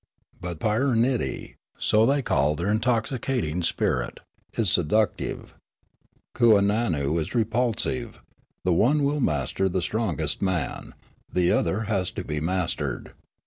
" But pyranniddee " (so they called their intoxicating spirit) " is seductive ; kooannoo is repulsive ; the one will master the strongest man ; the other has to be mastered."